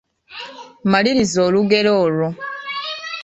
Maliriza olugero olwo.